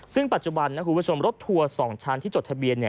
ซึ่งปัจจุบันนะคุณผู้ชมรถทัวร์๒ชั้นที่จดทะเบียน